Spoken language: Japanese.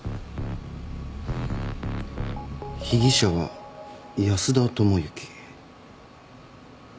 被疑者は「安田智之」